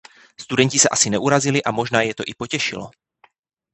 Studenti se asi neurazili a možná je to i potěšilo.